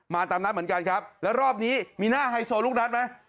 ตามนัดเหมือนกันครับแล้วรอบนี้มีหน้าไฮโซลูกนัดไหม